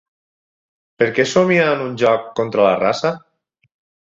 Per què somiar amb un joc contra la raça?